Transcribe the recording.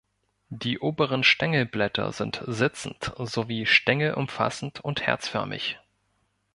Die oberen Stängelblätter sind sitzend sowie stängelumfassend und herzförmig.